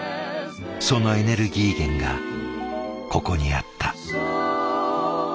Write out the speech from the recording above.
そのエネルギー源がここにあった。